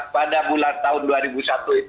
pada bulan tahun dua ribu satu itu